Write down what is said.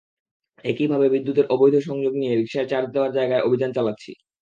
একইভাবে বিদ্যুতের অবৈধ সংযোগ নিয়ে রিকশার চার্জ দেওয়ার জায়গায় অভিযান চালাচ্ছি।